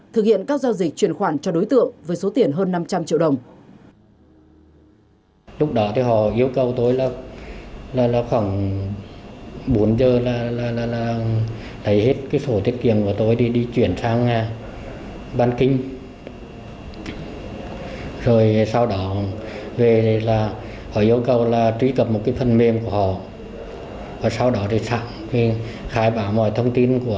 thực hiện các giao dịch chuyển khoản cho đối tượng với số tiền hơn năm trăm linh triệu đồng